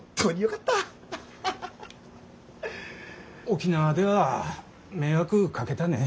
沖縄では迷惑かけたね。